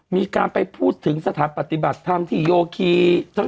มีการไปพูดถึงสถาบัติบัติธรรมถีโยคิทั้งสอง